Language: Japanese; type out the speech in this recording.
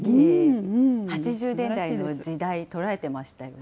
８０年代の時代、捉えてましたよね。